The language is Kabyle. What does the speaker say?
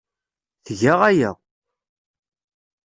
Tga aya.